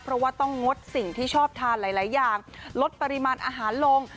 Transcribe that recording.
เพราะว่าต้องงดสิ่งที่ชอบทานหลายอย่างลดปริมาณอาหารลง